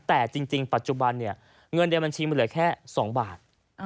แต่จริงปัจจุบันเนี่ยเงินในบัญชีมันเหลือแค่๒บาท